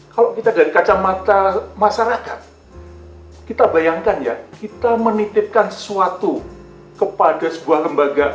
kalau kita dari kacamata masyarakat kita bayangkan ya kita menitipkan sesuatu kepada sebuah lembaga